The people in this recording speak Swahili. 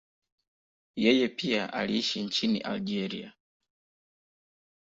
Yeye pia aliishi nchini Algeria.